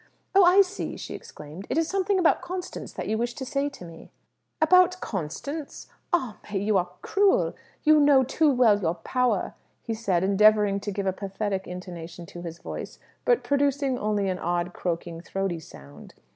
"Oh, I see!" she exclaimed. "It's something about Constance that you wish to say to me." "About Constance? Ah, May, you are cruel! You know too well your power!" he said, endeavouring to give a pathetic intonation to his voice, but producing only an odd, croaking, throaty sound.